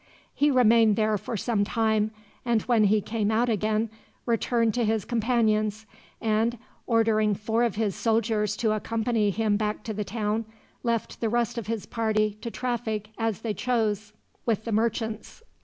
He remained there for some time, and when he came out again returned to his companions and, ordering four of his soldiers to accompany him back to the town, left the rest of his party to traffic as they chose with the merchants.